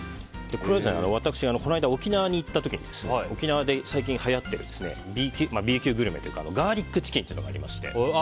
私、この間、沖縄に行った時に沖縄で最近はやっているＢ級グルメというかガーリックチキンというのがありまして。